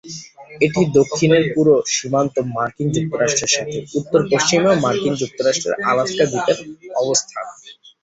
এটি দক্ষিণের পুরো সীমান্ত মার্কিন যুক্তরাষ্ট্রের সাথে, উত্তর-পশ্চিমেও মার্কিন যুক্তরাষ্ট্রের আলাস্কা দ্বীপের অবস্থান।